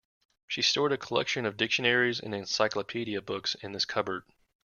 She stored a collection of dictionaries and encyclopedia books in this cupboard.